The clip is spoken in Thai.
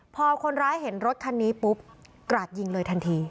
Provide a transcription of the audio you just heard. พอคนร้ายเห็นรถคันนี้ปุ๊บกราดยิงเลยทันที